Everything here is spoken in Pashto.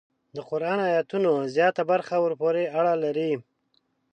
د قران ایتونو زیاته برخه ورپورې اړه لري.